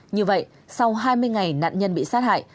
như vậy sau hai mươi ngày nạn nhân bị sát hại